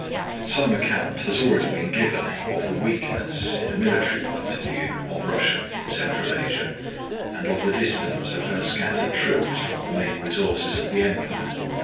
Some account has already been given of the weakness, in a military point of view, of Russia in Central Asia, and of the distance of her scattered troops from the main resources of the Empire.